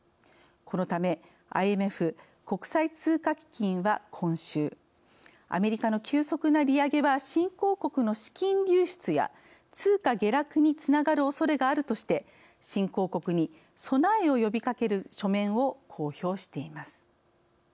このためＩＭＦ＝国際通貨基金は今週アメリカの急速な利上げは新興国の資金流出や通貨下落につながるおそれがあるとして新興国に備えを呼びかける書面を公表しています。